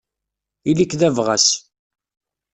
Ili-k d abɣas.